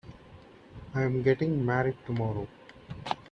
I'm getting married tomorrow.